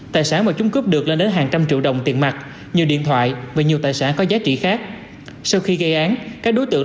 tài sản mà chúng cướp được lên đến hàng trăm triệu đồng tiền mặt nhiều điện thoại và nhiều tài sản có giá trị khác